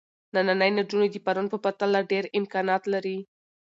نننۍ نجونې د پرون په پرتله ډېر امکانات لري.